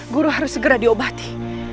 guru harus segera diobati